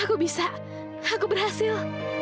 aku bisa bisa berhasil